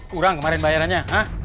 kurang kemarin bayarannya